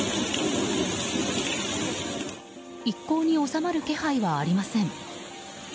一向に収まる気配はありません。